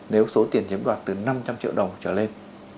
nếu số tiền chiếm đoạt từ năm trăm linh triệu đồng trở lên